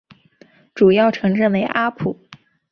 主要城镇为阿普。